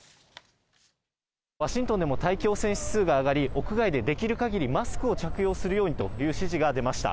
ワシントンでも大気汚染指数が上がり、屋外でできる限りマスクを着用するようにという指示が出ました。